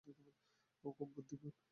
ও খুব বুদ্ধিমান।